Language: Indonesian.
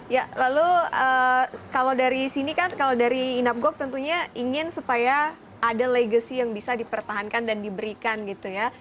ya lalu kalau dari sini kan kalau dari inapgok tentunya ingin supaya ada legacy yang bisa dipertahankan dan diberikan gitu ya